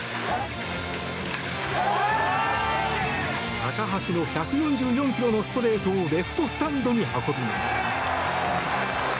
高橋の１４４ｋｍのストレートをレフトスタンドに運びます。